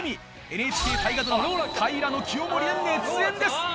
ＮＨＫ大河ドラマ『平清盛』で熱演です！